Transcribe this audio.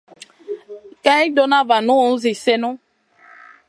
Kay ɗona vanu zi sèhnu.